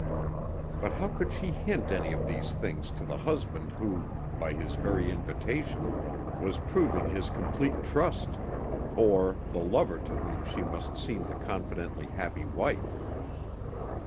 But how could she hint any of these things to the husband who, by his very invitation, was proving his complete trust, or the lover to whom she must seem the confidently happy wife?